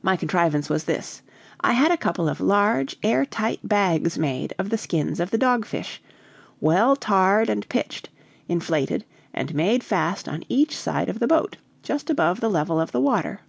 My contrivance was this: I had a couple of large air tight bags made of the skins of the dog fish, well tarred and pitched, inflated, and made fast on each side of the boat, just above the level of the water.